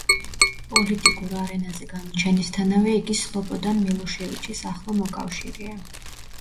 პოლიტიკურ არენაზე გამოჩენისთანავე იგი სლობოდან მილოშევიჩის ახლო მოკავშირეა.